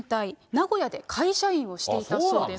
名古屋で会社員をしていたそうです。